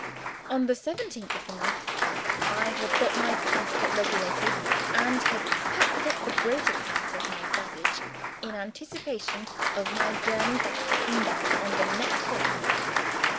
On the seventeenth of the month, I had got my passport regulated, and had packed up the greater part of my baggage in anticipation of my journey back to England on the next day.